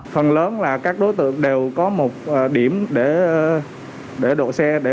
phần lớn là các đối tượng đều có một điểm để đổ xe